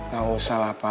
gak usah lah pak